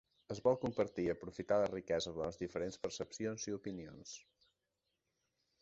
Es vol compartir i aprofitar la riquesa de les diferents percepcions i opinions.